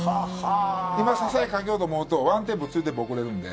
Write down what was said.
今、支え、かけようと思うと、ワンテンポツーテンポ遅れるんで。